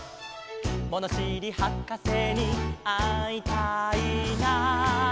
「ものしりはかせにあいたいな」